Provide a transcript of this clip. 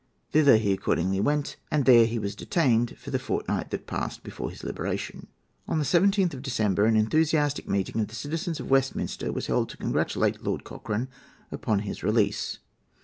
Thither he accordingly went, and there he was detained for the fortnight that passed before his liberation. On the 17th of December an enthusiastic meeting of the citizens of Westminster was held to congratulate Lord Cochrane upon his release.